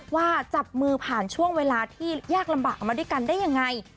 ว่าจับมือผ่านช่วงเวลาที่ยากลำบากมาด้วยกันได้ยังไง